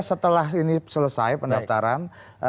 setelah ini selesai pendaftaran